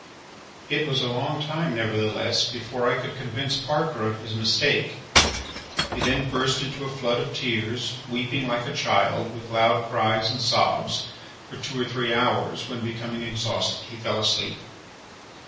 It was a long time, nevertheless, before I could convince Parker of his mistake. He then burst into a flood of tears, weeping like a child, with loud cries and sobs, for two or three hours, when becoming exhausted, he fell asleep.